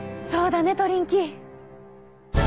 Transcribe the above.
そうだねトリンキー！